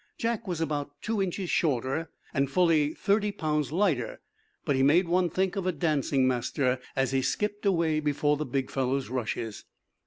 Jack was about two inches shorter and fully thirty pounds lighter, but he made one think of a dancing master as he skipped away before the big fellow's rushes.